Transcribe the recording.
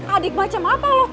adik macam apa lo